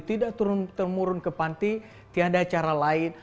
tidak turun temurun ke panti tidak ada cara lain